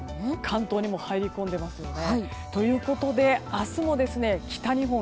関東にも入り込んでますよね。ということで、明日も北日本、